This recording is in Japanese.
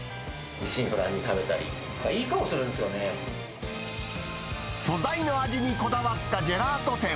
一心不乱に食べたり、いい顔素材の味にこだわったジェラート店。